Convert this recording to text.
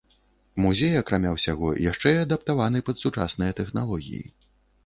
Музей, акрамя ўсяго, яшчэ і адаптаваны пад сучасныя тэхналогіі.